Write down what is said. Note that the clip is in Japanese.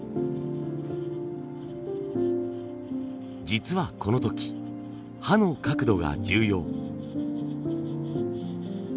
実はこの時刃の角度が重要。